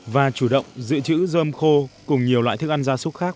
và chủ động dự trữ dơm khô cùng nhiều loại thức ăn gia súc khác